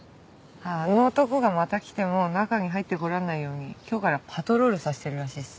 あの男がまた来ても中に入ってこられないように今日からパトロールさせてるらしいっす。